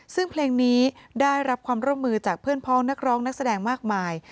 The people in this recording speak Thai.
ซึ่งเพลงนี้ได้รับความร่วมมือจากเพื่อนพ้องนักร้องนักแสดงมากมาย